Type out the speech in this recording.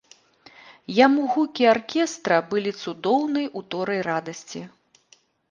Яму гукі аркестра былі цудоўнай уторай радасці.